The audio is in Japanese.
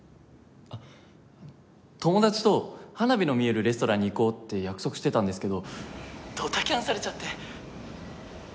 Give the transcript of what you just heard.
友達と花火の見えるレストランに行こうって約束してたんですけどドタキャンされちゃって。